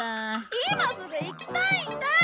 今すぐ行きたいんだい！